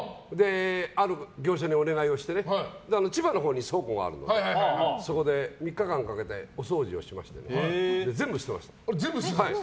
ある業者にお願いをしてね千葉のほうに倉庫があるのでそこで３日間かけてお掃除をしまして全部、捨てました。